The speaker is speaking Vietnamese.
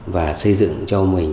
và xây dựng cho mình